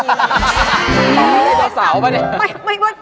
เจ้าสาวปะเนี่ย